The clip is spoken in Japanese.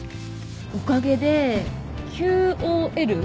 おかげでＱＯＬ？